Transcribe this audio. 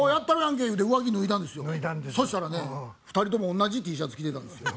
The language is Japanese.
そしたらね２人ともおんなじＴシャツ着てたんですよ。